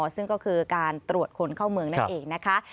ซึ่งก็คือการตรวจคนเข้าเมืองนั่นเองนะคะ